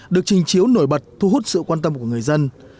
được trình chiếu nổi bật thu hút sự quan tâm của người dân